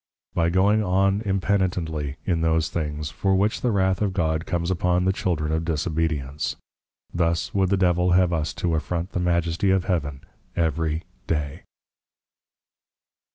By going on impenitently in those things, for which the Wrath of God comes upon the Children of Disobedience. Thus would the Devil have us to affront the Majesty of Heaven every day.